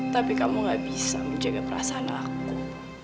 tapi kamu gak bisa menjaga perasaan aku